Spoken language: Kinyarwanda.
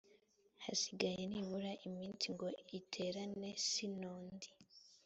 hasigaye nibura iminsi ngo iterane sinodi